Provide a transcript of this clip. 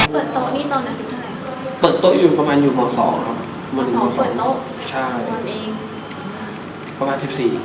เปิดโต๊ะนี่ตอนไหนเปิดโต๊ะอยู่ประมาณอยู่เมาส์๒เนาะเมาส์๒เปิดโต๊ะใช่ตอนเองประมาณ๑๔๑๓๑๔